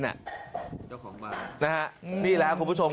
นี่แหละครับคุณผู้ชม